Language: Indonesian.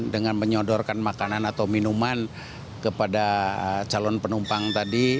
dengan menyodorkan makanan atau minuman kepada calon penumpang tadi